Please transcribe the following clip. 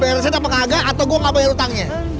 mau beresin apa kagak atau gue kagak bayar utangnya